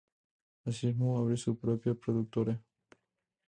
Así mismo abre su propia productora.